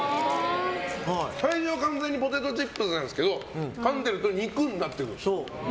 最初は完全にポテトチップスなんですけどかんでいると肉になっていく。